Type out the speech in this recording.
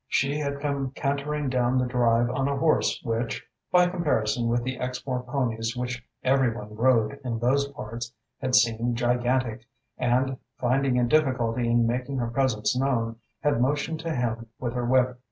She had come cantering down the drive on a horse which, by comparison with the Exmoor ponies which every one rode in those parts, had seemed gigantic, and, finding a difficulty in making her presence known, had motioned to him with her whip.